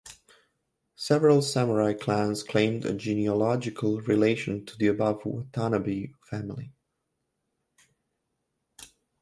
Several samurai clans claimed a genealogical relation to the above Watanabe family.